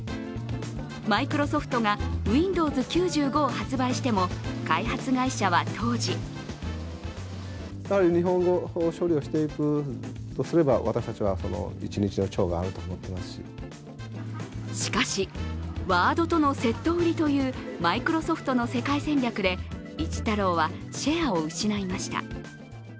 マイクロソフトがＷｉｎｄｏｗｓ９５を発売しても開発会社は当時しかし、ワードとのセット売りというマイクロソフトの世界戦略で一太郎はシェアを失いました。